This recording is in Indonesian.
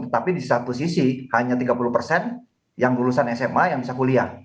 tetapi di satu sisi hanya tiga puluh persen yang lulusan sma yang bisa kuliah